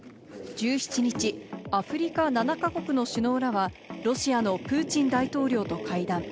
１７日、アフリカ７か国の首脳らはロシアのプーチン大統領と会談。